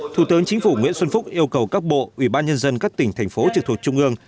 thủ tướng chính phủ nguyễn xuân phúc yêu cầu các bộ ủy ban nhân dân các tỉnh thành phố trực thuộc trung ương